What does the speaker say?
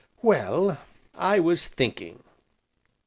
Well, I was thinking."